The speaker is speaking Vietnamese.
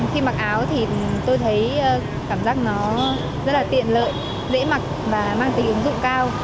khi mặc áo thì tôi thấy cảm giác nó rất là tiện lợi dễ mặc và mang tính ứng dụng cao